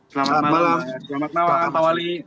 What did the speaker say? selamat malam selamat malam pak wali